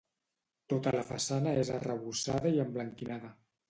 Tota la façana és arrebossada i emblanquinada.